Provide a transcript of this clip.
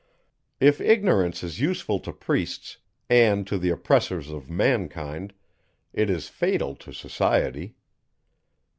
If ignorance is useful to priests, and to the oppressors of mankind, it is fatal to society.